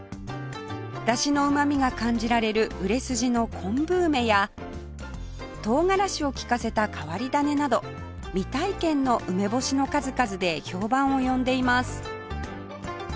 だしのうまみが感じられる売れ筋のこんぶ梅やとうがらしを利かせた変わり種など未体験の梅干しの数々で評判を呼んでいます